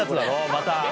また。